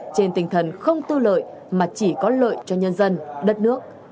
trên tinh thần không tư lợi mà chỉ có lợi cho nhân dân đất nước